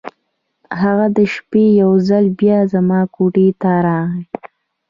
هغه د شپې یو ځل بیا زما کوټې ته راغی.